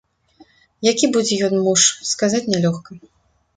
Які будзе ён муж, сказаць нялёгка.